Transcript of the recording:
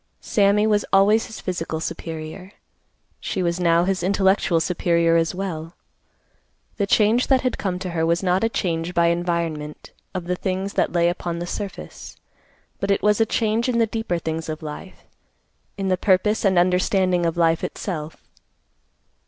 Sammy was always his physical superior. She was now his intellectual superior as well. The change that had come to her was not a change by environment of the things that lay upon the surface, but it was a change in the deeper things of life—in the purpose and understanding of life itself.